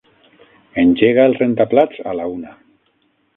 Engega el rentaplats a la una.